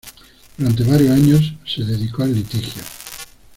Durante varios años se dedicó al litigio.